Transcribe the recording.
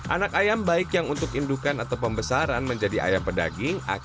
anak ayam baik yang untuk indukan atau pembesaran menjadi ayam pedaging akan dilakukan vaksin